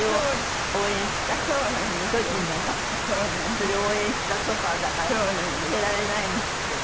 それを応援したソファだから捨てられないんですってね。